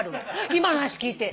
今の話聞いて。